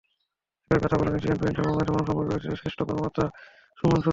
একই কথা বললেন এশিয়ান পেইন্টস বাংলাদেশের মানবসম্পদ বিভাগের জ্যেষ্ঠ কর্মকর্তা সুমন সূত্রধর।